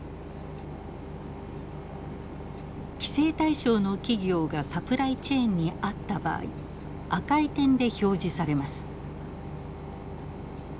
規制対象の企業がサプライチェーンにあった場合赤い点で表示されます。